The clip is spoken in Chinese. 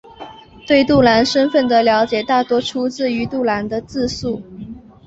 对杜兰身份的了解大多出自于杜兰的自述。